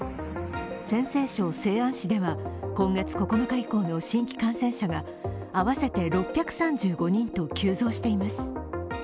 陜西省西安市では今月９日以降の新規感染者が合わせて６３５人と急増しています。